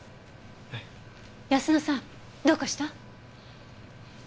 泰乃さんどうかした？